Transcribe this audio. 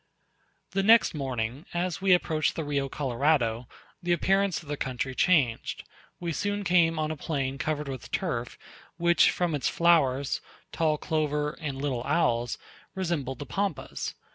The next morning, as we approached the Rio Colorado, the appearance of the country changed; we soon came on a plain covered with turf, which, from its flowers, tall clover, and little owls, resembled the Pampas.